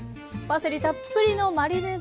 パセリたっぷりのマリネ